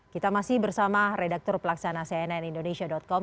kita masih bersama redaktur pelaksana cnn indonesia com